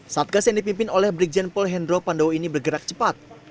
satgas yang dipimpin oleh brigjen pol hendro pandowo ini bergerak cepat